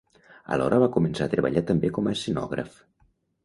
Alhora va començar a treballar també com escenògraf.